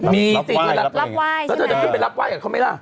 มีจริงแล้วรับไหว้ใช่ไหมแล้วเธอจะขึ้นไปรับไหว้กับเขาไหมล่ะ